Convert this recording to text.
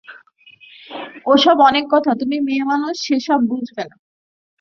ও-সব অনেক কথা, তুমি মেয়েমানুষ সে-সব বুঝবে না।